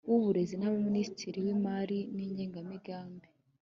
W uburezi na minisititi w imari n igenamigambi